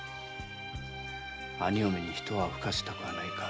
兄嫁にひと泡ふかせたくはないか？